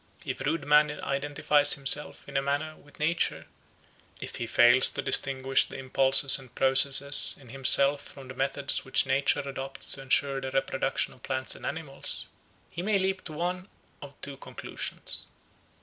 If rude man identifies himself, in a manner, with nature; if he fails to distinguish the impulses and processes in himself from the methods which nature adopts to ensure the reproduction of plants and animals, he may leap to one of two conclusions.